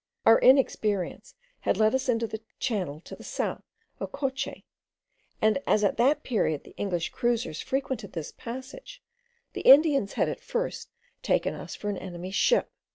Our inexperience had led us into the channel to the south of Coche; and as at that period the English cruisers frequented this passage, the Indians had at first taken us for an enemy's ship.